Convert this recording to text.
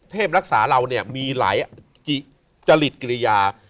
รักษาเราเนี่ยมีหลายจริตกิริยา